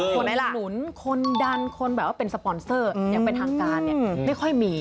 คนหนุนคนดันคนแบบว่าเป็นสปอนเซอร์อย่างเป็นทางการเนี่ยไม่ค่อยมี